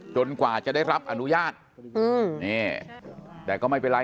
กว่าจะได้รับอนุญาตอืมนี่แต่ก็ไม่เป็นไร